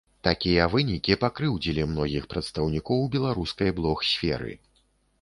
Такія вынікі пакрыўдзілі многіх прадстаўнікоў беларускай блог-сферы.